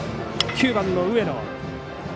９番の上野。